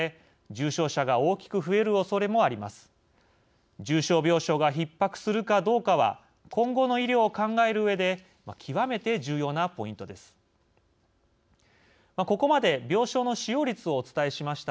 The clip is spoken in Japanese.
重症病床がひっ迫するかどうかは今後の医療を考えるうえで極めて重要なポイントです。